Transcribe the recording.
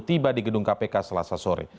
tiba di gedung kpk selasa sore